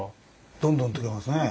どんどんとけますね。